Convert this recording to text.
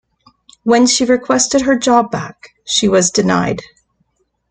When she requested her job back, she was denied.